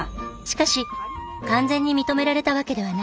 しかし完全に認められたわけではない。